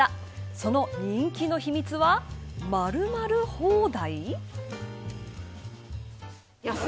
その人気の秘密は○○放題。